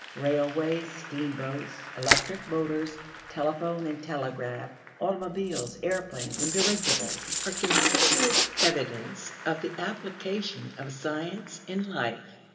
Railways, steamboats, electric motors, telephone and telegraph, automobiles, aeroplanes and dirigibles are conspicuous evidences of the application of science in life.